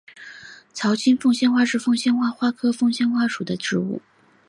槽茎凤仙花是凤仙花科凤仙花属的植物。